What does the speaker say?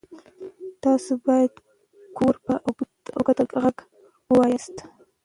تاسو باید ګور په اوږد غږ ووایاست.